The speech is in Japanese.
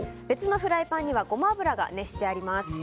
別のフライパンにはゴマ油が熱してあります。